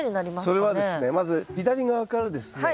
それはですねまず左側からですね